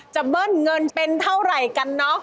เบิ้ลเงินเป็นเท่าไหร่กันเนอะ